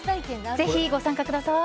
ぜひご参加ください。